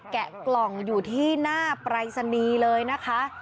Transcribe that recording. แกะกล่องอยู่ที่หน้าปรายศนีย์เลยนะคะ